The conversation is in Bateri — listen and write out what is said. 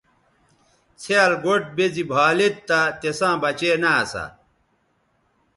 څھیال گوٹھ بے زی بھا لید تہ تِساں بچے نہ اسا۔